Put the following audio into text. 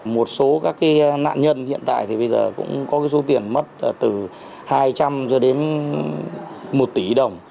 một số các nạn nhân hiện tại thì bây giờ cũng có số tiền mất từ hai trăm linh cho đến một tỷ đồng